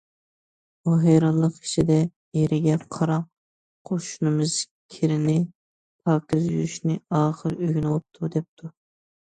ئۇ ھەيرانلىق ئىچىدە ئېرىگە:‹‹ قاراڭ، قوشنىمىز كىرنى پاكىز يۇيۇشنى ئاخىرى ئۆگىنىۋاپتۇ!›› دەپتۇ.